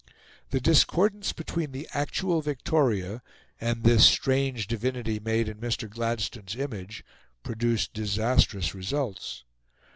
The discordance between the actual Victoria and this strange Divinity made in Mr. Gladstone's image produced disastrous results.